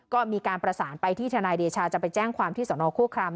ก็มีการประสานไปที่ทนายเดชาจะไปแจ้งความที่สนโฆคราม